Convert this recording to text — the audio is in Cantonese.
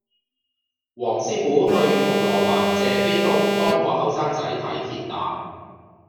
黃師傅去銅鑼灣謝斐道幫個後生仔睇跌打